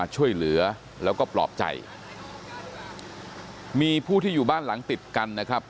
ช่วยเหลือแล้วก็ปลอบใจมีผู้ที่อยู่บ้านหลังติดกันนะครับ